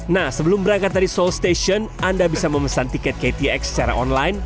nah sebelum berangkat dari seoul station anda bisa memesan tiket ktx secara online